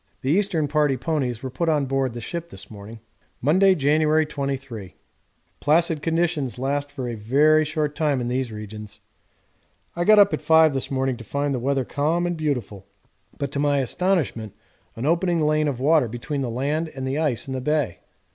The Eastern Party ponies were put on board the ship this morning. Monday, January 23. Placid conditions last for a very short time in these regions. I got up at 5 this morning to find the weather calm and beautiful, but to my astonishment an opening lane of water between the land and the ice in the bay.